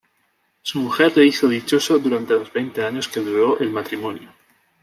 Su mujer le hizo dichoso durante los veinte años que duró el matrimonio.